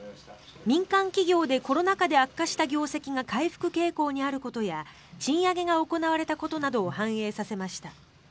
民間企業でコロナ禍で悪化した業績が回復傾向にあることや賃上げが行われたことなどを反映させました。